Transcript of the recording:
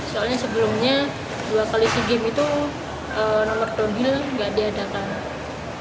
soalnya sebelumnya dua kali si game itu nomor downhill gak diadakan